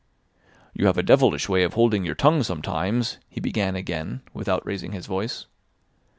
"You have a devilish way of holding your tongue sometimes," he began again, without raising his voice.